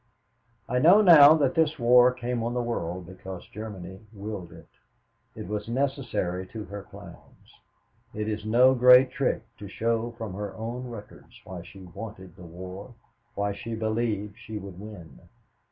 "I know now that this war came on the world because Germany willed it. It was necessary to her plans. It is no great trick to show from her own records why she wanted the war, why she believed she would win.